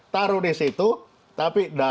taruh di situ tapi